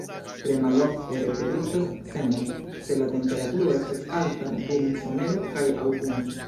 Tre malofte reproduktas semon se la temperaturo estas alta dum somero kaj aŭtuno.